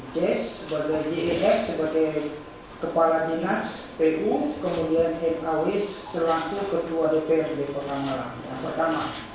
ces sebagai jhs sebagai kepala dinas pu kemudian mauis selaku ketua dpr di kota malang yang pertama